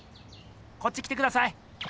こっち来てください！